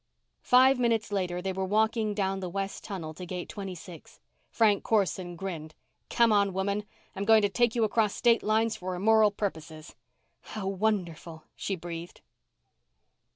Five minutes later they were walking down the west tunnel to gate twenty six. Frank Corson grinned. "Come on, woman, I'm going to take you across state lines for immoral purposes." "How wonderful," she breathed.